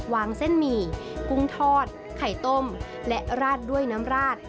เส้นหมี่กุ้งทอดไข่ต้มและราดด้วยน้ำราด